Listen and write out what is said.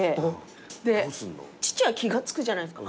で父は気が付くじゃないですか。